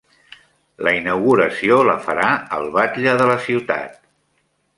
La inauguració la farà el batlle de la ciutat